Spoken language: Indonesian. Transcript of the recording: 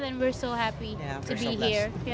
dan kita sangat senang untuk berada di sini